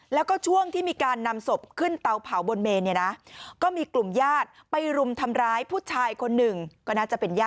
แล้วก็ช่วงที่มีการนำศพขึ้นเตาเผาบนเมน